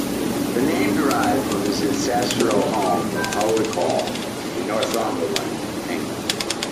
The name derived from his ancestral home of Howick Hall in Northumberland, England.